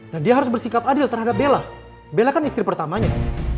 dan dia harus bersikap adil terhadap bella bella kan istri pertamanya